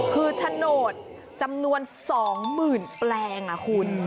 คือโฉนดจำนวน๒๐๐๐แปลงคุณ